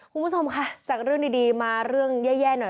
คุณผู้ชมค่ะจากเรื่องดีมาเรื่องแย่หน่อย